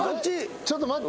ちょっと待って。